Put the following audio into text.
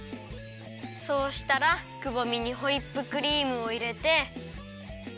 そうしたらくぼみにホイップクリームをいれて。